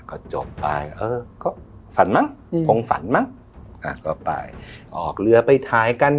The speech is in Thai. ก็จบไปเออก็ฝันมั้งคงฝันมั้งอ่าก็ไปออกเรือไปถ่ายกัน